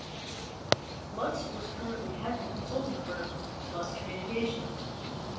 Lutz is currently head of the consulting firm Lutz Communications.